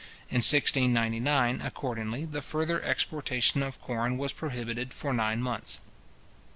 In 1699, accordingly, the further exportation of corn was prohibited for nine months.